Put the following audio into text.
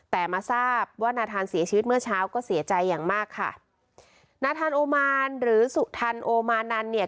แต่มาทราบว่านาธานเสียชีวิตเมื่อเช้าก็เสียใจอย่างมากค่ะนาธานโอมานหรือสุทันโอมานันเนี่ย